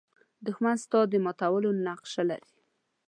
دښمن د ستا د ماتولو نقشه لري